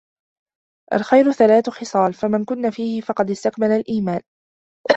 الْخَيْرُ ثَلَاثُ خِصَالٍ فَمَنْ كُنَّ فِيهِ فَقَدْ اسْتَكْمَلَ الْإِيمَانَ